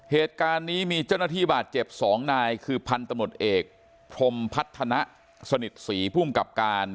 เหตุการณ์นี้มีเจ้าหน้าที่บาดเจ็บ๒นายคือพันธมตเอกพรมพัฒนาสนิทศรีภูมิกับการ